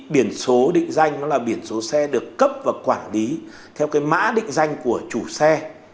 biển số định danh nó là biển số xe được cấp và quản lý theo cái mã định danh của chủ xe